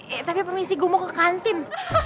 eh tapi permisi gue mau ke kantin